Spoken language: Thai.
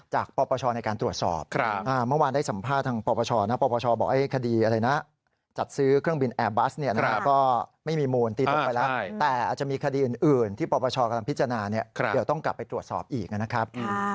ปปชในการตรวจสอบเมื่อวานได้สัมภาษณ์ทางปปชนะปปชบอกคดีอะไรนะจัดซื้อเครื่องบินแอร์บัสเนี่ยนะก็ไม่มีมูลตีตกไปแล้วแต่อาจจะมีคดีอื่นที่ปปชกำลังพิจารณาเดี๋ยวต้องกลับไปตรวจสอบอีกนะครับ